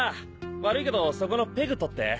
悪いけどそこのペグ取って！